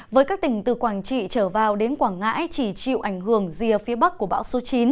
với các tỉnh từ quảng trị trở vào đến quảng ngãi chỉ chịu ảnh hưởng rìa phía bắc của bão số chín